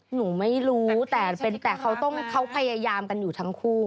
หนูไม่รู้แต่เขาต้องเขาพยายามกันอยู่ทั้งคู่